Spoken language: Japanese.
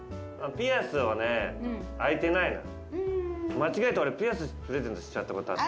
間違えて俺ピアスプレゼントしちゃったことあって。